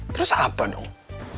terus apa dong